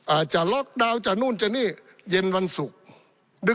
อาจจะล็อกดาวน์จะนู่นจะนี่เย็นวันศุกร์